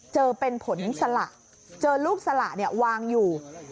เจอเป็นผลสละเจอลูกสละวางอยู่